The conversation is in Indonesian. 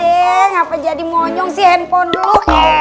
kenapa jadi moncong si handphone dulu